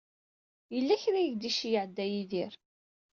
Yella kra i ak-d-iceyyeɛ Dda Yidir.